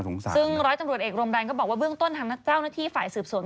ส่วนนะร้อยจังหวัดเอ็กโรงแรนก็บอกว่าเบื้องต้นทางนักการเจ้านักที่ฝ่ายสืบศูนย์